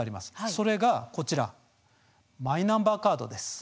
それがこちらマイナンバーカードです。